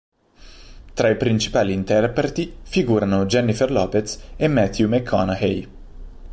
Tra i principali interpreti figurano Jennifer Lopez e Matthew McConaughey.